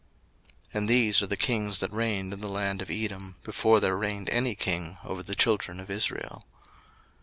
01:036:031 And these are the kings that reigned in the land of Edom, before there reigned any king over the children of Israel.